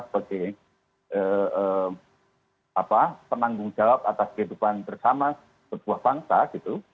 sebagai penanggung jawab atas kehidupan bersama sebuah bangsa gitu